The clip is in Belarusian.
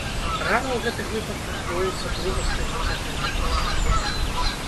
Рана ў гэтых выпадках гоіцца другасным нацяжэннем.